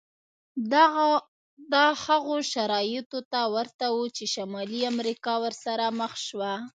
دا هغو شرایطو ته ورته و چې شمالي امریکا ورسره مخ وه.